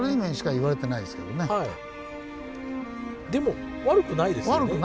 でも悪くないですよね。